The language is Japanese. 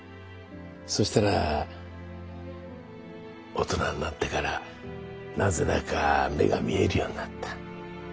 そしたら大人になってからなぜだか目が見えるようになった。